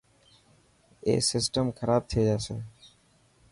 اي سسٽم خراب ٿي جاسي.